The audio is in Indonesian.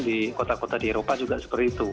di kota kota di eropa juga seperti itu